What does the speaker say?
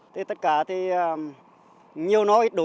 thì tất cả thì nhiều nói ít đủ